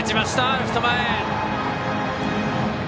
レフト前！